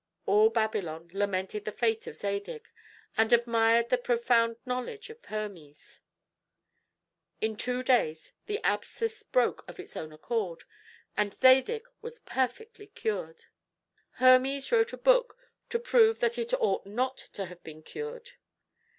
All Babylon lamented the fate of Zadig, and admired the profound knowledge of Hermes. In two days the abscess broke of its own accord and Zadig was perfectly cured. Hermes wrote a book to prove that it ought not to have been cured.